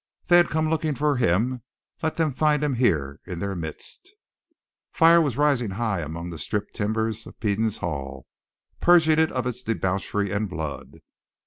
They had come looking for him; let them find him here in their midst. Fire was rising high among the stripped timbers of Peden's hall, purging it of its debauchery and blood.